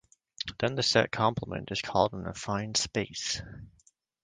Then the set complement is called an affine space.